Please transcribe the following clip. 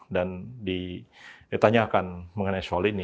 dan ditanyakan mengenai soal ini